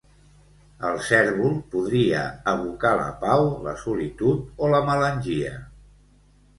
El cérvol podria evocar la pau, la solitud o la melangia.